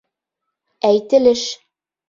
Әйтелеш